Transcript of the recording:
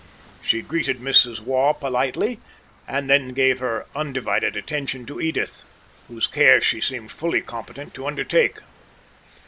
She greeted Mrs. Waugh politely, and then gave her undivided attention to Edith, whose care she seemed fully competent to undertake.